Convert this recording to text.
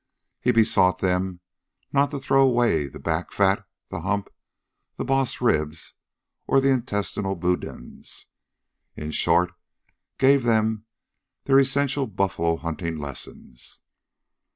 He besought them not to throw away the back fat, the hump, the boss ribs or the intestinal boudins; in short, gave them their essential buffalo hunting lessons.